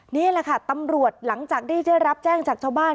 นี่แหละค่ะตำรวจหลังจากที่ได้รับแจ้งจากชาวบ้าน